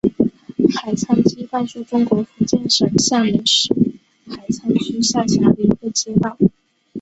海沧街道是中国福建省厦门市海沧区下辖的一个街道。